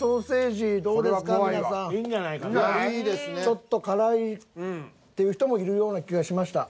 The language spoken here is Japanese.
ちょっと辛いっていう人もいるような気がしました。